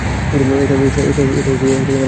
এটা ভালো দেখায় না।